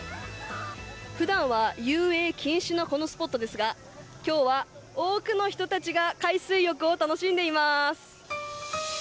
普段は遊泳禁止のこのスポットですが今日は多くの人たちが海水浴を楽しんでいます。